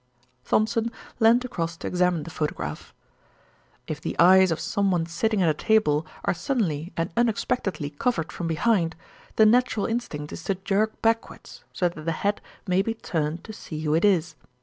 Thompson leaned across to examine the photograph. "If the eyes of someone sitting at a table are suddenly and unexpectedly covered from behind, the natural instinct is to jerk backwards so that the head may be turned to see who it is.